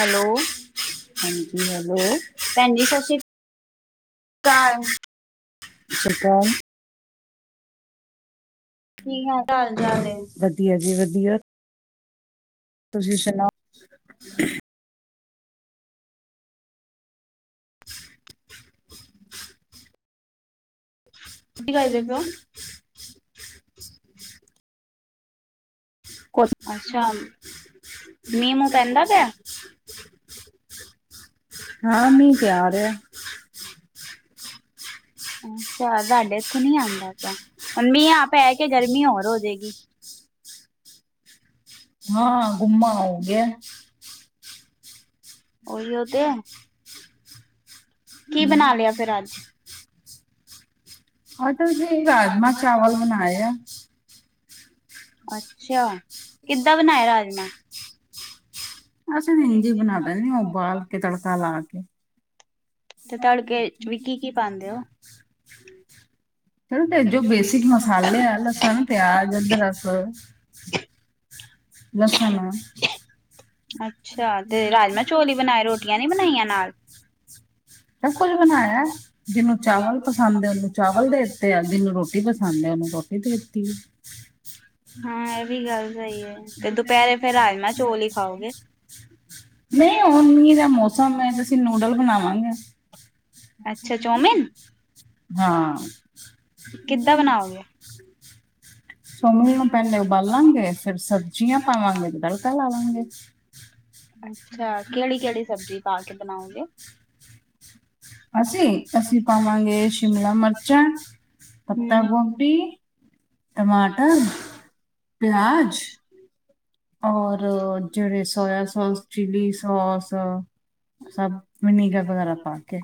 Hello ਹਾਂਜੀ, hello ਭੈਣ ਜੀ ਸਤਿ ਸ਼੍ਰੀ [unintelligible] ਸਸ ਸੀ੍ ਕਾਲ। ਕੀ ਹਾਲ ਚਾਲ ਚਾਲ ਕੀ ਵਧੀਆ ਜੀ ਵਧੀਆ। ਤੁਸੀ ਸੁਣਾਓ? ਕਰਦੇ ਪਏ ਹੋ [inaudible] ਕੁਛ ਅੱਛਾ ਮੀਂਹ ਮੂ ਪੈਂਦਾ ਪੇਆ? ਹਾਂ ਮੀਹ ਤੇ ਆ ਰੇਆ। ਅੱਛਾ ਸਾਡੇ ਏਥੋਂ ਨੀ ਆਂਦਾ ਪੇਆ। ਮੀਂਹ ਆ ਪੈ ਕੇ ਗਰਮੀ ਹੋਰ ਹੋਜੇਗੀ। ਹਾਂ ਗੁੰਮਾ ਹੋਗੇਆ ਐ। ਉਹੀਓ ਤੇ [inaudible] ਕੀ ਬਣਾ ਲਿਆ ਫੇਰ ਅੱਜ? ਅੱਜ ਅਸੀ ਰਾਜਮਾ- ਚਾਵਲ ਬਣਾਏ ਆ। ਅੱਛਾ, ਕਿੱਦਾਂ ਬਣਾਏ ਰਾਜਮਾ? [inaudible] ਅਸੀਂ ਤੇ ਇੰਝ ਬਣਾ ਦੇਣੀ ਆ ਉਬਾਲ ਕੇ ਤੜਕਾ ਲਾ ਕੇ। ਤੇ ਤੜਕੇ ਵਿੱਚ ਵੀ ਕੀ- ਕੀ ਪਾਉਂਦੇ ਹੋ? [inaudible] ਤੇ ਜੋ ਬੇਸਿਕ ਮਸਾਲੇ ਆ ਲਸਣ, ਪਿਆਜ, ਅਦਰਕ, ਲਸਣ। ਅੱਛਾ ਤੇ ਰਾਜਮਾਂ ਚੋਲ ਈ ਬਣਾ ਰਹੇ ਰੋਟੀਆਂ ਨੀ ਬਣਾਈਆਂ ਨਾਲ। ਸਭ ਕੁਝ ਬਣਾਇਆ ਜਿਹਨੂੰ ਚਾਵਲ ਪਸੰਦ ਉਹਨੂੰ ਚਾਵਲ ਦੇ ਤੇ ਐ। ਜਿਨੂੰ ਰੋਟੀ ਪਸੰਦ ਹੈ ਓਹਨੂੰ ਰੋਟੀ ਦੇ ਤੀ ਏ। ਹੂੰ ਇਹ ਵੀ ਗੱਲ ਸਹੀ ਹੈ, ਤੇ ਦੁਪਹਿਰੇ ਫੇਰ ਰਾਜਮਾਂ ਚੌਲ ਹੀ ਖਾਓਗੇ। ਨਹੀਂ ਹੁਣ ਮੀਂਹ ਦਾ ਮੌਸਮ ਹੈ ਤੇ ਅਸੀਂ ਨੂਡਲ ਬਣਾਵਾਂਗੇ। ਅੱਛਾ ਚੌਮਿਨ, ਕਿੱਦਾਂ ਬਣਾਓਗੇ? ਚੋਮਿਨ ਨੂੰ ਪਹਿਲੇ ਉਬਾਲਾਂਗੇ ਫੇਰ ਸਬਜ਼ੀਆਂ ਪਾਵਾਂਗੇ ਤੇ ਤੜਕਾ ਲਾਵਾਂਗੇ। ਅੱਛਾ ਕਿਹੜੀ- ਕਿਹੜੀ ਸਬਜ਼ੀ ਪਾ ਕੇ ਬਣਾਉਗੇ। ਅਸੀਂ- ਅਸੀਂ ਪਾਵਾਂਗੇ ਸ਼ਿਮਲਾ ਮਿਰਚਾਂ, ਪੱਤਾ ਗੋਭੀ, ਟਮਾਟਰ, ਪਿਆਜ, ਔਰ ਜਿਹੜੇ ਸੋਇਆ ਸੋਸ, ਚਿਲੀ ਸੋਸ, ਸਭ ਵਿਨੀਗਰ ਵਗੈਰਾ ਪਾ ਕੇ।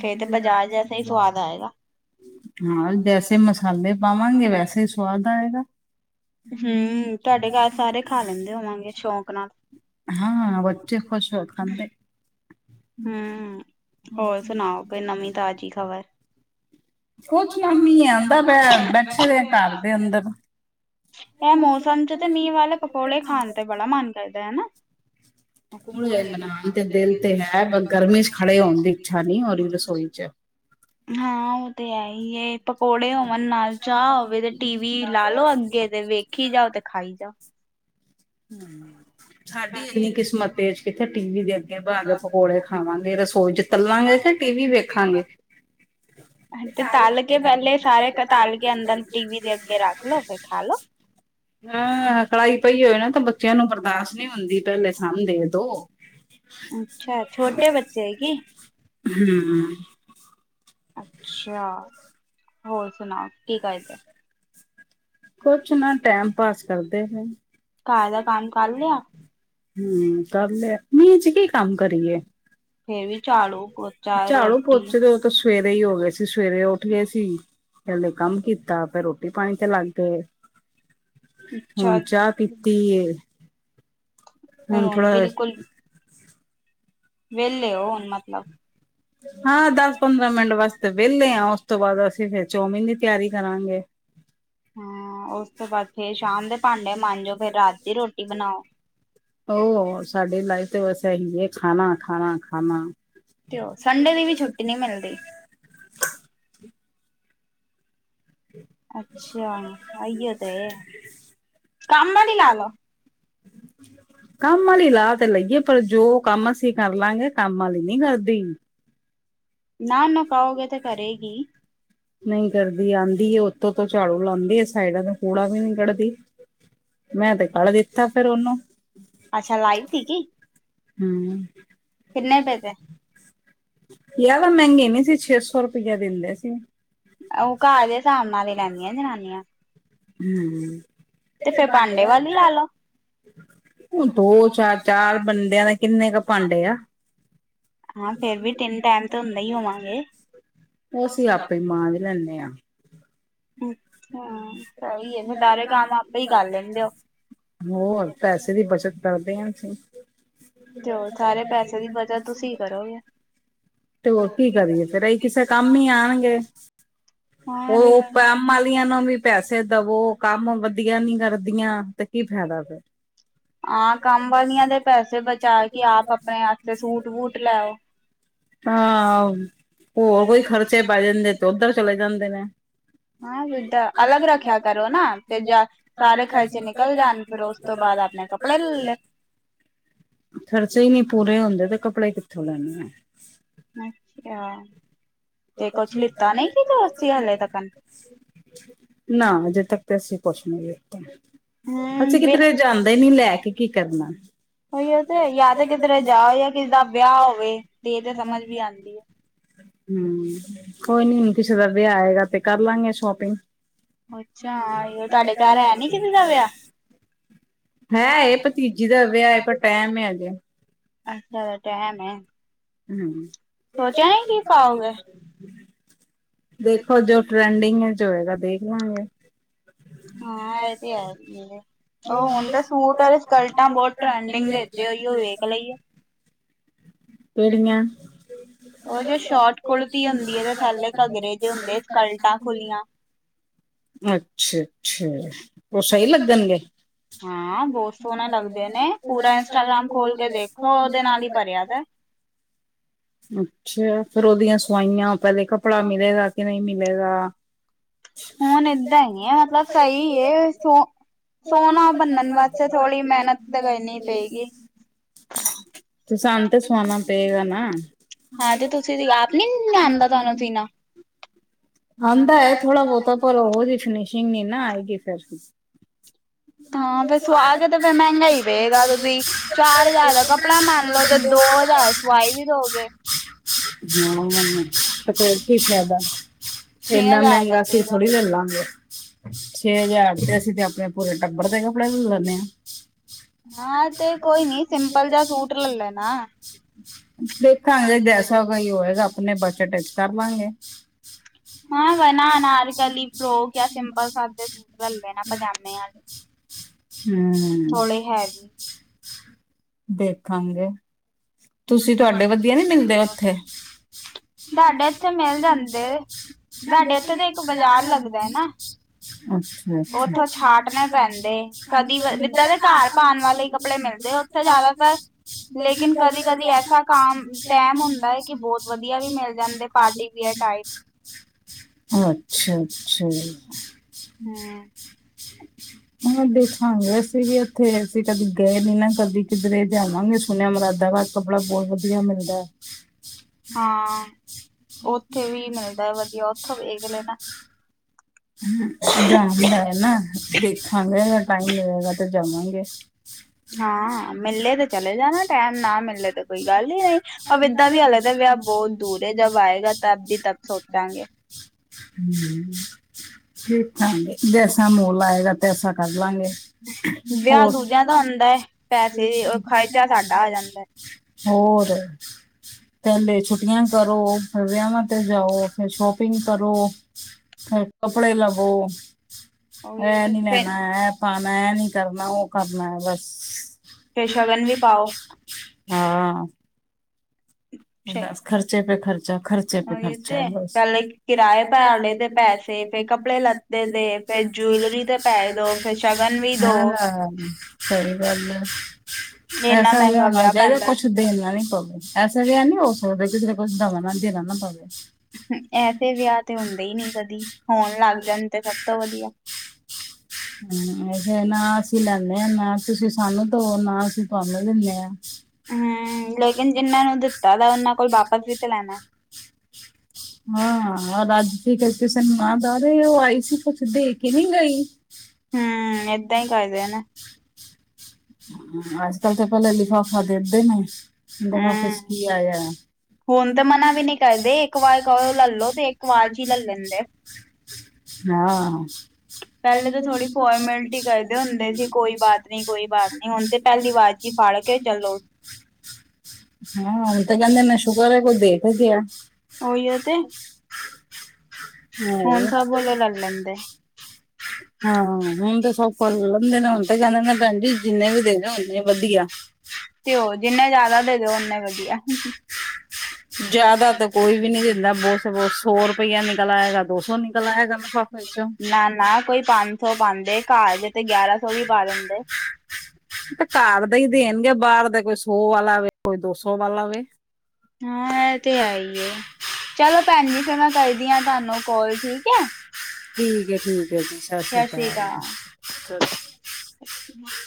ਫੇਰ ਤੇ ਬਾਜਾਰ ਜੈਸਾ ਹੀ ਸਵਾਦ ਆਏਗਾ। ਹਾਂ ਜੇ ਅਸੀਂ ਮਸਾਲੇ ਪਾਵਾਂਗੇ, ਵੈਸੇ ਹੀ ਸਵਾਦ ਆਏਗਾ। ਹੂੰ ਤੁਹਾਡੇ ਘਰ ਸਾਰੇ ਖਾ ਲੈਂਦੇ ਹੋਵਾਂਗੇ ਸ਼ੌਕ ਨਾਲ। ਹਾਂ ਬੱਚੇ ਖੁਸ਼ ਹੋ ਖਾਂਦੇ ਨੇ। ਹੂੰ ਹੋਰ ਸੁਣਾਓ ਕੋਈ ਨਵੀਂ- ਤਾਜ਼ੀ ਖ਼ਬਰ? ਕੁਛ ਨਵੀਂ ਨਹੀਂ ਹੈ ਬ ਬੈਠੇ ਹੋਏ ਆ ਘਰ ਦੇ ਅੰਦਰ। ਇਹ ਮੌਸਮ ਚ ਤੇ ਮੀਂਹ ਵਾਲੇ ਪਕੌੜੇ ਖਾਣ ਤੇ ਬੜਾ ਮਨ ਕਰਦਾ, ਹਨਾ। ਪਕੋੜੇ ਬਨਾਉਣ ਤੇ ਦਿਲ ਤੇ ਹੈ। ਪਰ ਗਰਮੀਂ ਚ ਖੜੇ ਹੋਣ ਦੀ ਇੱਛਾ ਨੀਂ ਹੋ ਰਹੀ ਰਸੋਈ ਚ। ਹਾਂ ਉਹ ਤੇ ਹੈ ਹੀ ਐ। ਪਕੋੜੇ ਹੋਵਣ ਨਾਲ ਚਾਹ ਹੋਵੇ ਤੇ ਟੀ ਵੀ ਲਾ ਲੋ ਅੱਗੇ ਤੇ ਵੇਖੀ ਜਾਓ ਤੇ ਖਾਈ ਜਾਉ। ਹੂੰ। ਸਾਡੀ ਇੰਨੀ ਕਿਸਮਤ ਤੇਜ ਕਿੱਥੇ ਟੀ ਵੀ ਦੇ ਅੱਗੇ ਬਾਅ ਕੇ ਪਕੌੜੇ ਖਾਵਾਂਗੇ ਰਸੋਈ ਚ। ਤਲਾਂਗੇ ਕੇ ਟੀ ਵੀ ਵੇਖਾਂਗੇ। [inaudible] ਤੇ ਤਲ ਕੇ ਪਹਿਲੇ ਸਾਰੇ ਤਾਲ ਕੇ ਅੰਦਰ ਟੀਵੀ ਦੇ ਅੱਗੇ ਰੱਖ ਲੋੋ ਫੇਰ ਖਾ ਲੋ। ਆ ਕੜਾਈ ਪਈ ਹੋਏ ਨਾ ਤਾਂ ਬੱਚਿਆਂ ਨੂੰ ਬਰਦਾਸ਼ਤ ਨਹੀਂ ਹੁੰਦੀ। ਪਹਿਲੇ ਸਾਂਨ ਦੇ ਦੋ। ਅੱਛਾ ਛੋਟੇ ਬੱਚੇ ਹੈ ਕੀ? ਹੂੰ। ਅੱਛਾ ਹੋਰ ਸੁਣਾਓ ਕੀ ਕਰਦੇ ਹੋ? ਕੁਛ ਨੀ ਟੈਮ ਪਾਸ ਕਰਦੇ ਹੈ। ਘਰ ਦਾ ਕੰਮ ਕਰ ਲਿਆ? ਹੂੰ ਕਰ ਲਿਆ, ਮੀਂਹ ਚ ਕੀ ਕੰਮ ਕਰੀਏ। ਫੇਰ ਵੀ ਝਾੜੂ, ਪੋਚਾ, ਝਾੜੂ ਰੋਟੀ ਪੋਚੇ ਤੇ ਸਵੇਰੇ ਹੀ ਹੋ ਗਏ ਸੀ। ਸਵੇਰੇ ਉੱਠ ਗਏ ਸੀ। ਪਿਹਲੇ ਕੰਮ ਕੀਤਾ ਫੇਰ ਰੋਟੀ ਪਾਣੀ ਤੇ ਲੱਗ- ਗੇ। ਹੁਣ ਚਾਹ ਅੱਛਾ, ਪੀਤੀ ਏ ਹੁਣ ਥੋੜਾ ਵੇਲੇ ਓ ਹੁਣ ਮਤਲਬ? ਹਾਂ ਦਸ ਪੰਦਰਾਂ ਮਿੰਟ ਵਾਸਤੇ ਵੇਲੇ ਹਾਂ ਉਸ ਤੋਂ ਬਾਅਦ ਅਸੀਂ ਫਿਰ ਚੌਮਿਨ ਦੀ ਤਿਆਰੀ ਕਰਾਂਗੇ। ਹਾਂ ਉਸ ਤੋਂ ਬਾਅਦ ਫੇਰ ਸ਼ਾਮ ਦੇ ਭਾਂਡੇ ਮਾਂਜੋ ਫੇਰ ਰਾਤ ਦੀ ਰੋਟੀ ਕੇ ਬਨਾ ਹੋਰ ਸਾਡੀ ਲਾਈਫ ਤੇ ਬਸ ਏਹੀ ਐ ਖਾਣਾ- ਖਾਣਾ -ਖਾਣਾ। ਤੇ ਓ ਸੰਡੇ ਦੀ ਵੀ ਛੁੱਟੀ ਨਈ ਮਿਲਦੀ। ਅੱਛਾ, ਅਈਓ ਤੇ ਕੰਮ ਆਲੀ ਲਾ ਲੋ ਕੰਮ ਵਾਲੀ ਲਾ ਤੇ ਲਈਏ ਪਰ ਜੋ ਕੰਮ ਅਸੀਂ ਕਰਲਾਂਗੇ ਕੰਮ ਵਾਲੀ ਨਈ ਕਰਦੀ। ਨਾ ਨਾ ਕਓਗੇ ਤਾਂ ਕਰੇਗੀ। ਨਈ ਕਰਦੀ ਆਂਦੀ ਏ, ਓਤੋਂ -ਓਤੋਂ ਝਾੜੂ ਲਾਂਦੀ ਏ ਸਾਇਡਾ ਤੋਂ ਕੂੜਾ ਵੀ ਨਈ ਕੱਢਦੀ। ਮੈਂ ਤੇ ਕੱਢ ਦਿੱਤਾ ਫੇਰ ਓਹਨੂੰ। ਅੱਛਾ, ਲਾਈ ਸੀ ਕੀ? ਹਾ ਕਿੰਨੇ ਪੈਸੇ? ਜਾਦਾਂ ਮੇਂਗੇ ਨੀ ਸੀ ਛੇ ਸੌ ਰੁਪਇਆ ਦਿੰਦੇ ਸੀ। ਓ ਘਾਰ ਦੇ ਹਿਸਾਬ ਨਾਲ ਲੈਂਦੀਆਂ ਜਨਾਨੀਆਂ। ਤੇ ਹੂੰ--ਕਿਤੇ ਫੇਰ ਭਾਂਡੇ ਵਾਲੇ ਵਾਲੀ ਤਾ ਲਾ ਲੋ, ਨੀ ਕੋਈ ਦੋ ਚਾਰ -ਚਾਰ ਬੰਦਿਆਂ ਦੇ ਕਿੰਨੇ ਕੁ ਭਾਂਡੇ ਆ। ਹਾਂ ਫੇਰ ਵੀ ਤਿੰਨ ਟਾਈਮ ਤੇ ਹੁੰਦਾ ਹੀ ਹੋਵਾਂਗੇ। ਓ ਅਸੀਂ ਆਪੇ ਮਾਂਜ ਲੈਂਨੇ ਆ। ਅੱਛਾ, ਸਈ ਐ ਸਾਰੇ ਕੰਮ ਆਪੇ ਈ ਕਰ ਲੈਂਦੇ ਓ। ਹੋਰ ਪੈਸੇ ਦੀ ਬੱਚਤ ਕਰਦੇ ਆ ਅਸੀਂ। ਤੇ ਹੋਰ ਸਾਰੇ ਪੈਸੇ ਦੀ ਬਚਤ ਤੁਸੀਂ ਕਰੋਗੇ। ਤੇ ਹੋਰ ਕੀ ਕਰੀਏ ਫੇਰ ਏ ਕਿਸੇ ਕੰਮ ਈ ਆਣਗੇ, ਉਹ ਹੋਰ ਕੰਮ ਵਾਲੀਆਂ ਨੂੰ ਵੀ ਪੈਸੇ ਦਵੋ ਕੰਮ ਵਦੀਆ ਨੀ ਕਰਦੀਆਂ ਤੇ ਕੀ ਫੈਦਾ ਫੇਰ। ਹਾਂ ਕੰਮ ਵਾਲੀਆਂ ਦੇ ਪੈਸੇ ਬਚਾ ਕੇ ਆਪ ਆਪਣੇ ਵਾਸਤੇ ਸੂਟ- ਵੂਟ ਲੈ ਆਓ। ਹਾਂ ਹੋਰ ਕੋਈ ਖਰਚੇ ਪੈ ਜਾਂਦੇ ਤੇ ਉੱਧਰ ਚਲੇ ਜਾਂਦੇ ਨੇ। ਹਾਂ ਜਿਦਾ ਅਲੱਗ ਰੱਖੇਆ ਕਰੋ ਨਾ ਤੇ ਜਾ ਸਾਰੇ ਖਰਚੇ ਨਿਕਲ ਜਾਣ। ਫਿਰ ਉਸ ਤੋਂ ਬਾਅਦ ਆਪਣੇ ਕੱਪੜੇ ਲੈ ਲਓ। ਖ਼ਰਚੇ ਈ ਨੀ ਪੂਰੇ ਹੁੰਦੇ ਤੇ ਕੱਪੜੇ ਕਿੱਥੋਂ ਲੈਣੇ ਆ। ਅੱਛਾ ਤੇ ਕੁਛ ਲਿੱਤਾ ਨਹੀਂ ਸੀ ਤੁਸੀਂ ਹਲੇ ਤੱਕ ਨਾ ਮੁਜੇ ਤੋ ਤੇ ਅਸੀਂ ਪੁੱਛ ਨਾ ਫੇਰ ਤੋ, ਹੂੰ ਅਸੀਂ ਕਿਧਰੇ ਜਾਂਦੇ ਨੀ ਲੈ ਕੇ ਕੀ ਕਰਨਾ ਉਹੀ ਉਹ ਤੇ ਹੈ ਈ, ਜਾਂ ਤੇ ਕਿਧਰੇ ਜਾਏ ਜਾਂ ਕਿਸੇ ਦਾ ਵਿਆਹ ਹੋਵੇ ਫੇਰ ਤੇ ਤੇ ਸਮਝ ਵੀ ਆਂਦੀ ਏ। ਹੂ ਕੋਈ ਨੀ ਹੁਣ ਕਿਸੇ ਦਾ ਵਿਆਹ ਆਏਗਾ ਤੇ ਕਰ ਲਾਂਗੇ ਸ਼ੋਪਿੰਗ। ਅੱਛਾ, ਤਾਡੇ ਘਰ ਹੈ ਨੀ ਕਿਸੇ ਦਾ ਵਿਆਹ? ਹੈ ਏ ਭਤੀਜੀ ਦਾ ਵਿਆਹ ਹੈ ਪਰ ਟੈਮ ਹੈਗਾ। ਅੱਛਾ ਤੇ ਟੈਮ ਐ। ਹੂ, ਦਿਨ ਦਾ ਜਾ ਰਾਤ ਪਾਓਗੇ? ਦਾ, ਦੇਖੋ ਜੀ। ਟਰੈਂਡਿੰਗ ਚ ਜੋ ਹੋਏਗਾ ਦੇਖ ਲਾਂਗੇ। ਹਾਂ ਏ ਤੇ ਹੈ ਈ ਆ ਫੇਰ। ਉਹ ਹੁਣ ਤਾਂ ਸੂਟ ਔਰ ਸਕਰਟਾਂ ਬਹੁਤ ਟਰੈਂਡਿੰਗ ਦੇ ਤੇ ਹੋਈ ਏ ਓ ਵੇਖ ਲਈਓ। ਕੇੜੀਆਂ? ਉਹ ਜੇ ਸ਼ੋਟ ਕੁੜਤੀ ਹੁੰਦੀ ਐ ਤੇ ਥਲੇ ਘੱਗਰੇ ਜੇਅ ਹੁੰਦੇ ਸਕਲਟਾਂ ਖੁੱਲੀਆਂ। ਅੱਛਾ- ਅੱਛਾ ਉਹ ਸਹੀ ਲੱਗਣਗੇ? ਹਾਂ ਬੋਤ ਸੋਹਣੇ ਲੱਗਦੇ ਨੇ ਪੂਰਾ ਇੰਸਟਾਗ੍ਰਾਮ ਖੋਲ ਕੇ ਦੇਖੋ ਓਦੇ ਨਾਲ ਈ ਭਰੇਆ ਤਾਂ। ਅੱਛਾ ਫੇਰ ਉਦੀਆਂ ਸਵਾਈਯਾਂ, ਪਹਿਲੇ ਕੱਪੜਾ ਮਿਲੇਗਾ ਕਿ ਨਹੀ ਮਿਲੇਗਾ। ਹੁਣ ਏਦਾਂ ਹੈਗੀ ਏ ਮਤਲਬ ਸਹੀ ਏ, ਸੋ ਸੋਹਣਾ ਬੰਨਣ ਵਾਸਤੇ ਥੋੜ੍ਹੀ ਮੇਹਨਤ ਤੇ ਕਰਨੀ ਪਏਗੀ। ਤੇ ਸਾਨੂੰ ਤੇ ਸੁਆਣਾ ਪਏਗਾ ਨਾ। ਹਾਂ ਤੇ ਤੁਸੀ ਵੀ ਆਪ ਨੀ [unintelligible] ਆਂਦਾ ਏ ਥੋੜਾ ਬੋਤਾ ਪਰ ਉਹ ਜਹੀ ਫਨਿਸ਼ਿੰਗ ਨੀ ਨਾ ਆਏਗੀ ਫੇਰ ਜੀ। [inaudible] ਹਾਂ ਫੇਰ ਸੁਆ ਕੇ ਤੇ ਫੇਰ ਮਹਿੰਗਾ ਹੀ ਰਏਗਾ ਤੁਸੀਂ ਚਾਰ ਹਜ਼ਾਰ ਦਾ ਕੱਪੜਾ ਮੰਨ ਲਓ ਤੇ ਦੋ ਹਜ਼ਾਰ ਸਵਾਈ ਵੀ ਦੋਗੇ। ਹਾਂ ਮਣ ਤੇ ਫਿਰ ਕੀ ਫੈਦਾ। ਛੇ ਏਨਾ ਹਜ਼ਾਰ ਦਾ ਮਹਂਗਾ ਅਸੀ ਪਏਗਾ। ਥੋੜੀ ਲਲ ਲਾਂਗੇ। ਛੇ ਹਜ਼ਾਰ ਤੇ ਅਸੀਂ ਤੇ ਆਪਣੇ ਪੂਰੇ ਟੱਬਰ ਦੇ ਕਪੜੇ ਲ ਲੇਣੇ ਆਂ। ਹਾਂ ਤੇ ਕੋਈ ਨੀ ਸਿੰਪਲ ਜਯਾ ਸੂਟ ਲੇ ਲੈਣਾ। ਦੇਖਾਂਗੇ ਜੈਸਾ ਵਈ ਹੋਏਗਾ, ਆਪਣੇ ਬਜਟ ਚ ਕਰ ਲਾਂਗੇ। ਹਾਂ ਵਣਾ ਅਨਾਰਕਲੀ ਫਰੋਕ ਯਾਂ ਸਿੰਪਲ ਸਾਦੇ ਸੂਟ ਲ ਲੈਣਾ ਪਜਾਮੇ ਆਲੇ। ਹਮ ਥੋੜੇ ਹੈਵੀ। [unintelligible] ਦੇਖਾਂਗੇ ਤੁਸੀ ਤਵਾਡੇ ਵਧੀਆ ਨੀ ਮਿਲਦੇ ਉਥੇ? ਸਾਡੇ ਇੱਥੇ ਮਿਲ ਜਾਂਦੇ ਸਾਡੇ ਇੱਥੇ ਤੇ ਇੱਕ ਬਜ਼ਾਰ ਲੱਗਦਾ ਐ ਨਾ ਅੱਛਾ ਅੱਛਾ ਉਥੋਂ ਛਾਟਣੇ ਪੈਂਦੇ, ਕਦੀ ਵ ਵਿੱਦਾ ਦੇ ਕਾਰ ਪਾਣ ਵਾਲੇ ਈ ਕੱਪੜੇ ਮਿਲਦੇ [unintelligible] ਕੱਲ ਲੇਕਿਨ ਦੇਗਾਂ ਕਦੀ [unintelligible] ਕਦੀ ਐਸਾ ਕਾਮ ਟੈਮ ਹੁੰਦਾ ਏ ਕਿ ਬਹੁਤ ਵਧੀਆ ਵੀ ਮਿਲ ਜਾਂਦੇ ਪਾਰਟੀ ਵੀਅਰ ਟਾਈਪ। ਅੱਛਾ -ਅੱਛਾ। ਹਮ। [inaudible] ਹਾਂ ਦੇਖਾਂਗੇ, ਅਸੀ ਵੀ ਏਥੇ ਅਸੀ ਕਦੇ ਗਏ ਨੀ ਨਾ ਕਦੀ ਕਿੱਧਰੇ ਜਾਨਾ ਵੀ ਏ ਸੁਣਿਆ ਮੁਰਾਦਾਬਾਦ। ਕੱਪੜਾ ਬਹੁਤ ਵਧੀਆ ਮਿਲਦਾ ਹਾਂ। ਉਥੇ ਵੀ ਮਿਲਦੈ ਵਧੀਆ, ਉਥੋਂ ਵੇਖ ਲੇਨਾ। ਹੂ ਜਾਣਾ ਵੀ ਹੈ ਨਾ ਦੇਖਾਂਗੇ, ਜੇ ਟਾਈਮ ਮਿਲੇਗਾ ਤੇ ਜਾਵਾਂਗੇ। [inaudible] ਹਾਂ ਮਿਲਲੇ ਤੇ ਚਲੇ ਜਾਣਾ ਟੈਮ ਨਾ ਮਿਲਲੇ ਤੇ ਕੋਈ ਗੱਲ ਹੀ ਨਈ। ਅਬ ੲਦਾਂ ਵੀ ਹਲੇ ਤਾ ਵਿਆਹ ਬਹੁਤ ਦੂਰ ਏ, ਜਬ ਆਏਗਾ ਤਾਂ ਤਦ ਦੀ ਤਦ ਸੋਚਾਗੇ। [inaudible] ਦੇਖਾਂਗੇ ਜੈਸਾ ਮੋਲ ਆਏਗਾ ਤੈਸਾ ਕਰ ਲਾ ਗੇ ਵਿਆਹ ਹੋਰ ਦੂਜਿਆਂ ਦਾ ਹੁੰਦਾ ਹੈ ਪੈਸੇ ਵੀ ਉਹ ਖਰਚਾ ਸਾਡਾ ਆ ਜਾਂਦੈ। ਹੋਰ। ਪਹਲੇ ਛੁੱਟੀਆਂ ਕਰੋ। ਫਿਰ ਵਯਾਂਵਾ ਤੇ ਜਾਓ। ਫਿਰ ਸ਼ੋਪਿੰਗ ਕਰੋ। ਕੱਪੜ ਲਵੋ ਏਹ ਉਹੀ ਨੀ ਲੇਨਾ ਫਿਰ ਏ ਪਾਣੈ। ਏ ਨੀ ਕਰਨਾ ਉਹ ਕਰਨਾ ਏ, ਬਸ। ਫੇਰ ਸ਼ਗਨ ਵੀ ਪਾਓ ਹਾਂ। ਬਸ ਖਰਚੇ ਪੇ ਖਰਚਾ -ਖਰਚੇ ਪੇ ਇਹ ਖਰਚਾ ਹੈ ਤੇ ਬਸ ਫਿਰ ਪਹਿਲੇ ਕਿਰਾਏ ਦਾ ਭਰ ਪ ਲਏ ਤੇ ਪੈਸੇ ਲੇ ਫੇਰ ਕੱਪੜੇ ਕਪੜੇ ਲ ਲੱਤੇ ਦੇ ਫੇਰ ਜੂਲਰੀ ਤੇ ਪੈ ਦੋ ਫੇਰ ਸ਼ਗਨ ਵੀ ਦੋ ਹਾਂ [unintelligible] ਸਹੀ ਗੱਲ ਹੈ। ਇੰਨਾ ਐਸਾ ਵਯਾ ਮਹਿੰਗਾ ਨ ਵਿਆਹ ਜਾਏ, ਪੈਂਦਾ ਕੁਛ ਦੇਣਾ ਨੀ ਪਵੇ। ਏਸਾ ਹੋਵੇ ਕਿਤਰੇ ਕੁਛ ਦਵਾ ਨਾ ਦੇਣਾ ਨਾ ਪਵੇ। ਐਸੇ ਵਆਹ ਤੇ ਹੁੰਦੇ ਈ ਨੀ ਕਦੀ, ਹੋਣ ਲੱਗ ਜਾਨ ਤੇ ਸਭ ਤੋਂ ਵਧੀਆ। [inaudible] ਹੂ ਨਾ ਅਸੀਂ ਲੈਨੇ ਆ ਨਾ ਤੁਸੀਂ ਸਾਨੂੰ ਦਿਉ ਨਾ ਅਸੀਂ ਤੁਆਨੂੰ ਦਿੰਨੇ ਆ। [inaudible] ਹੈਗਾ ਓਨਾਂ ਕੋਲ ਵਾਪਸ ਵੀ ਤੇ ਲੈਣਾ। [inaudible] ਹਾਂ ਅੱਜ ਕੀ ਕਰਕੇ ਸਨੂੰ ਨਾ ਦ ਰਹੇ ਆਈ ਸੀ ਕੁਛ ਦੇ ਕੇ ਨੀ ਗਈ। ਹੂੰ। ਤੈ ਕਰਦੇ ਏ ਨੇ ਅੱਜ-ਕੱਲ ਤਾਂ ਪੈਲੇ ਲਿਫਾਫਾ ਦੇਦੇ ਨੇ ਲਿਫਾਫੇ ਹਮ ਚ ਕੀ ਆਯਾ। ਹੁਣ ਤਾਂ ਮਨਾ ਵੀ ਨੀ ਕਰਦੇ ਏਕ ਵਾਰ ਕੋ ਵਲੋਂ ਤੇ ਏਕ ਵਾਰ ਚ ਹੀ ਲਲ ਲੈਂਦੇ ਆ। ਹਾਂ। ਪੈਲੇ ਤੇ ਥੋੜੀ ਫੋਰਮੈਲਟੀ ਕਰਦੇ ਹੁੰਦੇ ਸੀ ਕੋਈ ਬਾਤ ਨੀ-ਕੋਈ ਬਾਤ ਨਈ ਹੁਣ ਤੇ ਪੈਲੀ ਵਾਜ ਚ ਈ ਫੜ ਕੇ ਚੱਲੋ। ਹਾਂ ਹੁਣ ਤਾਂ ਕੈਂਦੇ ਆ ਸ਼ੁਕਰ ਏ ਕੋਈ ਦੇ ਕੇ ਗਯਾ। ਓਈ ਓ ਤੇ, ਹੁਨ ਸਬ ਬੋਲੋ ਲਲ ਲੈਂਦੇ ਆ ਹਾਂ [inaudible] ਹਾਂ ਹੁਣ ਤੇ ਸੌਖਾ ਲੈ ਲੈਂਦੇ ਨੇ ਹੁਣ ਤੇ ਕੈਂਨੇ ਨੇ ਪੈਣ ਜੀ ਜਿੰਨੇ ਵੀ ਦੇ ਦੇਣ ਓਨੇ ਵਧੀਆ। ਤੇ ਓ ਜਿੰਨੇ ਜਾਦਾ ਦੇ ਦਿਓ ਓਨੇ ਵਧੀਆ। ਜਾਦਾ ਤੋ ਕੋਈ ਵੀ ਨੀ ਦਿੰਦਾ ਬੋਤ ਸ ਬਤ ਸੌ ਰੁਪਇਆ ਨਿਕਲ ਆਏਗਾ ਦੋ ਸੌ ਨਿਕਲ ਆਏਗਾ ਮਾ ਨਾ-ਨਾ ਕੋਈ ਪੰਜ ਸੌ ਪਾਂਦੇ ਕਾੱਰ ਜ ਤੇ ਗਿਆਰਾਂ ਸੌ ਵੀ ਪਾ ਦਿੰਦੇ। ਓ ਤੇ ਕਾੱਰ ਦੇ ਈ ਦੇਣਗੇ ਬਾਰ ਦੇ ਕੋਈ ਸੌ ਵਾਲਾ ਵੇ ਕੋਈ ਦੋ ਸੌ ਵਾਲਾ ਵੇ। ਹਾਂ ਐ ਤੇ ਹੈ ਈ ਚਲੋ ਪੈਣ ਜੀ ਫੇਰ ਮੈਂ ਕਰਦੀ ਆ ਤੁਆਨੂੰ ਕਾਲ ਠੀਕ ਐ। ਠੀਕ ਐ-ਠੀਕ ਐ ਜੀ ਸਾਸ ਸ੍ਰੀ ਕਾਲ ਸਾਸ ਅੱ [inaudible]